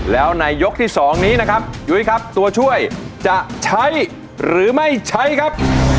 แล้วในยกที่๒นี้นะครับยุ้ยครับตัวช่วยจะใช้หรือไม่ใช้ครับ